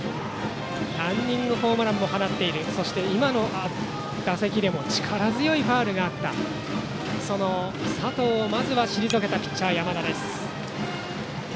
ランニングホームランも放っているそして、今の打席でも力強いファウルがあったその佐藤をまずは退けたピッチャー山田です。